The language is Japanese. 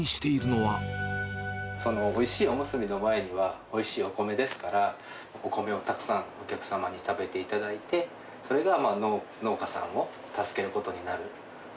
おいしいおむすびの前には、おいしいお米ですから、お米をたくさん、お客様に食べていただいて、それが農家さんを助けることになる。